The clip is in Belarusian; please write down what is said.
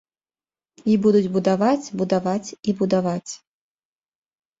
І будуць будаваць, будаваць і будаваць.